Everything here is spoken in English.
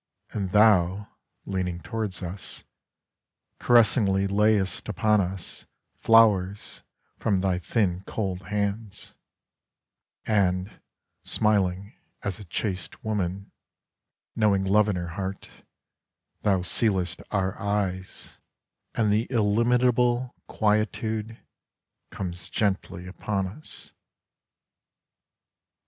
And thou, leaning towards us, Caressingly layest upon usFlowers from thy thin cold hands, And, smiling as a chaste womanKnowing love in her heart, Thou sealest our eyesAnd the illimitable quietudeComes gently upon us.